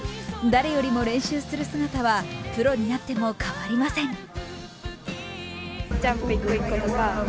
誰よりも練習する姿はプロになっても変わりません。